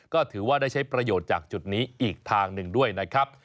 ก็ถือว่าได้ใช้ประโยชน์จากจุดนี้อีกทางหนึ่งด้วยนะครับ